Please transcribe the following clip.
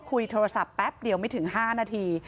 คุยโทรศัพท์แป๊บเดียวไม่ถึง๕นาที